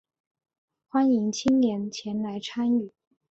欢迎青年前来参与